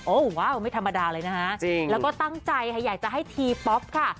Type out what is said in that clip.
โอ้โหว้าวไม่ธรรมดาเลยนะฮะแล้วก็ตั้งใจค่ะอยากจะให้ทีป๊อปค่ะ